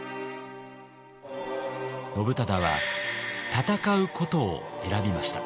信忠は戦うことを選びました。